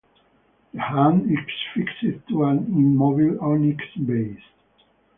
The hand is fixed to an immobile onyx base.